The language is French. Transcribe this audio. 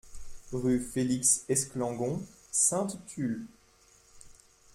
Rue Felix Esclangon, Sainte-Tulle